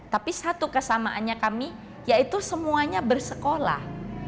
tapi satu kesamaannya kami yaitu semuanya bersekolah